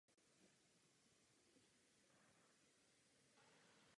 Pomník je dílem sochaře Josefa Maxe.